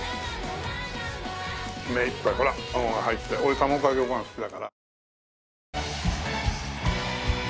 目いっぱいほら卵が入って俺卵かけご飯好きだから。